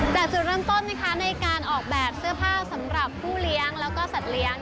จุดเริ่มต้นนะคะในการออกแบบเสื้อผ้าสำหรับผู้เลี้ยงแล้วก็สัตว์เลี้ยง